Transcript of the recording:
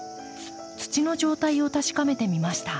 土の状態を確かめてみました。